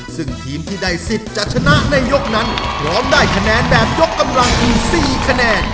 ซึ่งทีมที่ได้สิทธิ์จะชนะในยกนั้นพร้อมได้คะแนนแบบยกกำลังคือ๔คะแนน